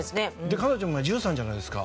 彼女も１３じゃないですか。